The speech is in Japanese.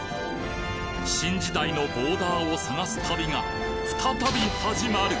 新時代のボーダーを探す旅が再び始まる！